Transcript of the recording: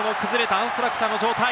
アンストラクチャーの状態。